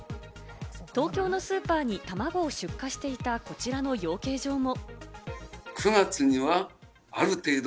東京のスーパーにたまごを出荷していたこちらの養鶏所も。